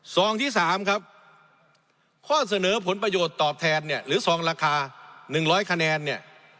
สองที่สามครับข้อเสนอผลประโยชน์ตอบแทนเนี่ยหรือสองราคาหนึ่งร้อยคะแนนเนี่ย